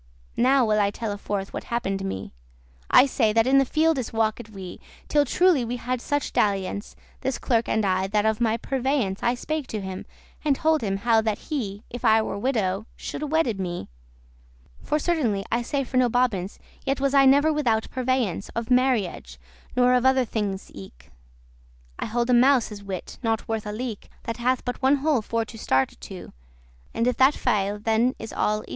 *worn Now will I telle forth what happen'd me: I say, that in the fieldes walked we, Till truely we had such dalliance, This clerk and I, that of my purveyance* *foresight I spake to him, and told him how that he, If I were widow, shoulde wedde me. For certainly, I say for no bobance,* *boasting<23> Yet was I never without purveyance* *foresight Of marriage, nor of other thinges eke: I hold a mouse's wit not worth a leek, That hath but one hole for to starte* to,<24> *escape And if that faile, then is all y do.